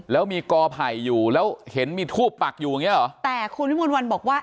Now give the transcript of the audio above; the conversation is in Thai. แล้วมีกอไผ่อยู่แล้วเห็นมีทูบปักอยู่อย่างเงี้เหรอแต่คุณวิมนต์วันบอกว่า